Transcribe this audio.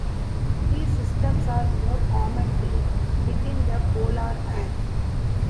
These systems are more common deep within the polar air.